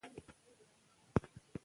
وګړي د افغان ماشومانو د لوبو موضوع ده.